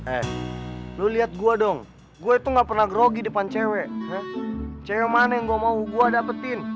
eh lu lihat gua dong gue tuh nggak pernah grogi depan cewek cewek mana yang gua mau gua dapetin